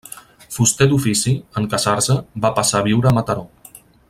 Fuster d'ofici, en casar-se va passar a viure a Mataró.